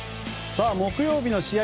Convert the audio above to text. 木曜日の試合